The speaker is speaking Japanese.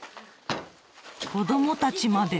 子どもたちまで。